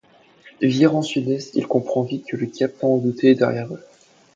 Virant sud-est, il comprend vite que le cap tant redouté est derrière eux.